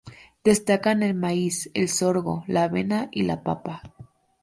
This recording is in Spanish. Destacan el maíz, el sorgo, la avena y la papa.